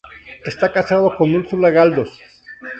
Está casado con Úrsula Galdós.